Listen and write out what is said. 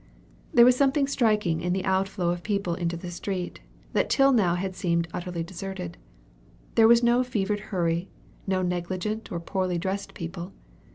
There was something striking in the outflow of people into the street, that till now had seemed utterly deserted. There was no fevered hurry; no negligent or poorly dressed people.